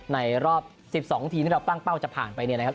ในรอบ๑๒ทีมที่เราตั้งเป้าจะผ่านไปเนี่ยนะครับ